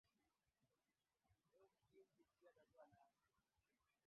Uchumi wa Zanzibar unategemea kilimo uvuvi na utalii